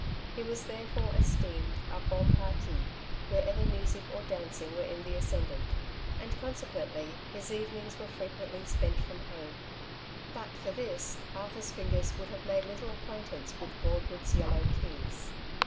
He was therefore esteemed a hon jparti wherever music or dancing were in the ascendant, and consequently his even ings were frequently spent from home ; but for this Arthur^s fingers would have made little acquaintance with Broadwood^s yellow keys.